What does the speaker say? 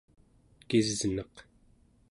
kisneq